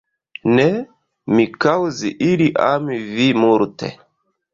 Ne, mi kaŭzi ili ami vi multe.